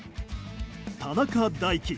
田中大貴。